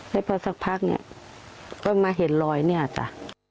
ได้พอสักพักก็มาเห็นลอยนี่ค่ะ